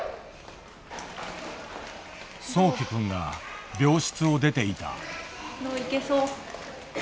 そうき君が病室を出ていた。